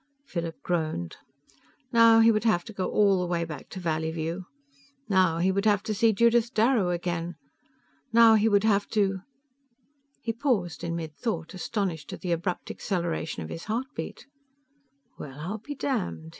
Philip groaned. Now he would have to go all the way back to Valleyview. Now he would have to see Judith Darrow again. Now he would have to He paused in midthought, astonished at the abrupt acceleration of his heartbeat. "Well I'll be damned!"